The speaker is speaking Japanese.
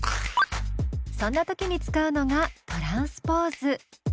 そんな時に使うのがトランスポーズ。